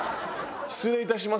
失礼いたします。